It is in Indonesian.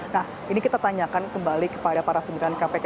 nah ini kita tanyakan kembali kepada para pimpinan kpk